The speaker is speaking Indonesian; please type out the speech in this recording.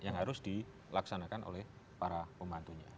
yang harus dilaksanakan oleh para pembantunya